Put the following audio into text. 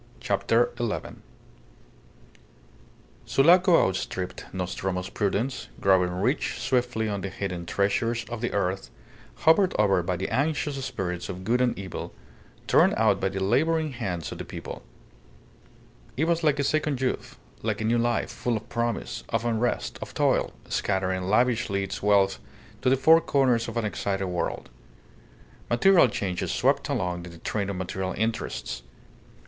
CHAPTER ELEVEN Sulaco outstripped Nostromo's prudence, growing rich swiftly on the hidden treasures of the earth, hovered over by the anxious spirits of good and evil, torn out by the labouring hands of the people. It was like a second youth, like a new life, full of promise, of unrest, of toil, scattering lavishly its wealth to the four corners of an excited world. Material changes swept along in the train of material interests.